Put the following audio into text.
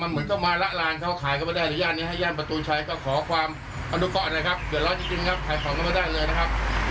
มันมีสภาพกลางด้วยมันไม่สบายหรือเปล่า